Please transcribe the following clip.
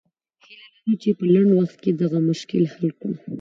هیله لرو چې په لنډ وخت کې دغه مشکل حل کړو.